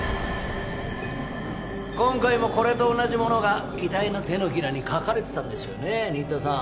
今回もこれと同じものが遺体の手のひらに描かれてたんですよね新田さん